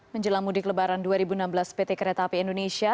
menjelang mudik lebaran dua ribu enam belas pt kereta api indonesia